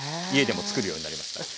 家でも作るようになりました。